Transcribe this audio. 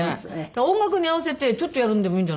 音楽に合わせてちょっとやるんでもいいんじゃないですか。